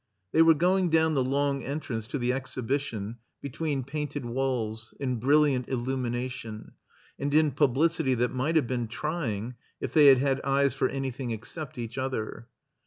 They were going down the long entrance to the Exhibition, between painted walls, in brilliant il Itunination, and in publicity that might have been trying if they had had eyes for anything except each other.